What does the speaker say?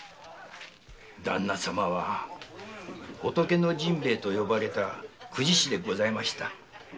ダンナ様は仏の甚兵衛と呼ばれた公事師でございました。